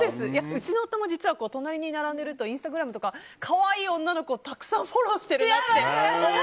うちの夫も実は隣に並んでるとインスタグラムとか可愛い女の子をたくさんフォローしていて。